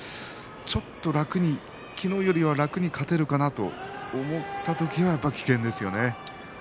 ちょっと楽に昨日よりは楽に勝てるかなと思った時がやっぱり危険ですよね。